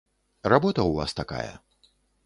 Работа ў вас такая.